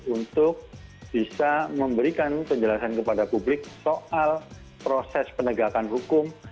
untuk bisa memberikan penjelasan kepada publik soal proses penegakan hukum